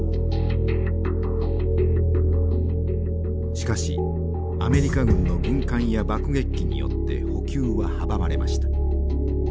しかしアメリカ軍の軍艦や爆撃機によって補給は阻まれました。